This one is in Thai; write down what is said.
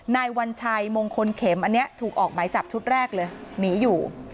นายวัญชัยมงคลเข็มอันนี้ถูกออกหมายจับชุดแรกเลยหนีอยู่